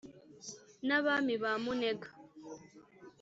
na bami ba munega,